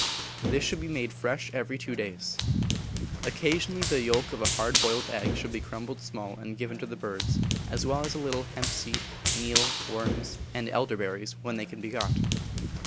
This should be made fresh every two days. Occasionally the yolk of a hard boiled egg should be crumbled small and given to the birds, as well as a little hemp seed, meal, worms, and elder berries when they can be got.